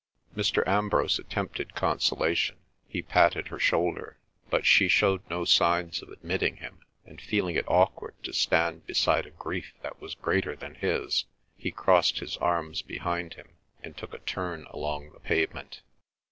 Mr. Ambrose attempted consolation; he patted her shoulder; but she showed no signs of admitting him, and feeling it awkward to stand beside a grief that was greater than his, he crossed his arms behind him, and took a turn along the pavement.